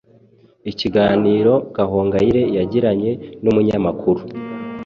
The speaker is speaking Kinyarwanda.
Ikiganiro Gahongayire yagiranye n’umunyamakuru